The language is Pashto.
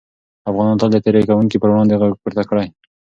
افغانانو تل د تېري کوونکو پر وړاندې غږ پورته کړی.